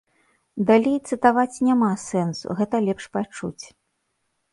Далей цытаваць няма сэнсу, гэта лепш пачуць.